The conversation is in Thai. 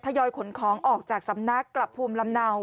ยอยขนของออกจากสำนักกลับภูมิลำเนา